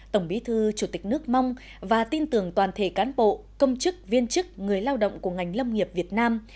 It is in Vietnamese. tổng bí thư chủ tịch nước mong và tin tưởng toàn thể cán bộ công chức viên chức người lao động của ngành lâm nghiệp việt nam